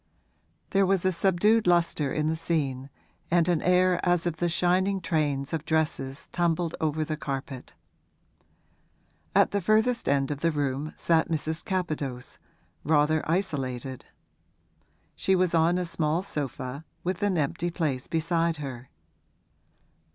There was a subdued lustre in the scene and an air as of the shining trains of dresses tumbled over the carpet. At the furthest end of the room sat Mrs. Capadose, rather isolated; she was on a small sofa, with an empty place beside her.